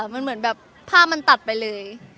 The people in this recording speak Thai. มันเหมือนแบบภาพมันตัดไปเลย